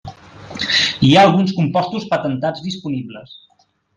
Hi ha alguns compostos patentats disponibles.